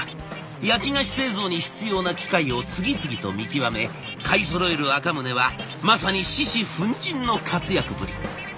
焼き菓子製造に必要な機械を次々と見極め買いそろえる赤宗はまさに獅子奮迅の活躍ぶり。